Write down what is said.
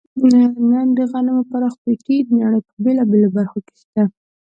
نن د غنمو پراخ پټي د نړۍ په بېلابېلو برخو کې شته.